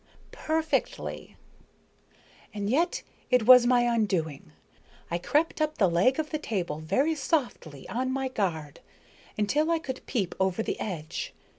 "Perfectly." "And yet, it was my undoing. I crept up the leg of the table, very softly, on my guard, until I could peep over the edge.